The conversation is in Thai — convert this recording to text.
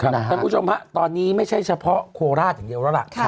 ท่านผู้ชมฮะตอนนี้ไม่ใช่เฉพาะโคราชอย่างเดียวแล้วล่ะ